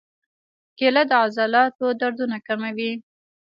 کېله د عضلاتو دردونه کموي.